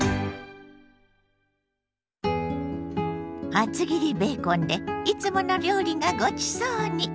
厚切りベーコンでいつもの料理がごちそうに！